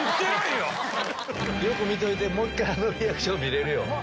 よく見といてもう１回あのリアクション見れるよ。